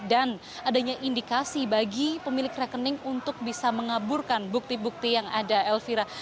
dan adanya indikasi bagi pemilik rekening untuk bisa mengaburkan bukti bukti yang ada elvira